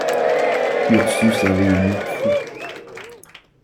Ursus avait un air fou.